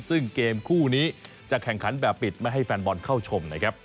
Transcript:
ซึ่งเกมคู่นี้จะแข่งขันแบบปิดไม่ให้แฟนบอลเข้าชมนะครับ